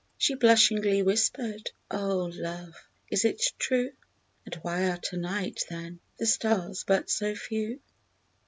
She blushingly whispered: "Oh, love, is it true? And why are tonight, then, The stars but so few?"